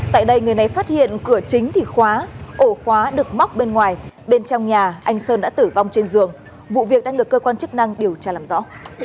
tại đây người này phát hiện cửa chính thì khóa ổ khóa được móc bên ngoài bên trong nhà anh sơn đã tử vong trên giường vụ việc đang được cơ quan chức năng điều tra làm rõ